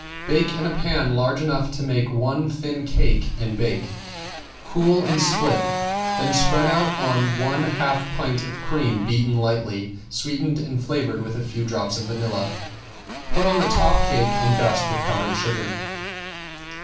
Bake in a pan large enough to make one thin cake and bake. Cool and split, then spread on one half pint of cream beaten light, sweetened, and flavored with a few drops of vanilla. Put on the top cake and dust with powdered sugar.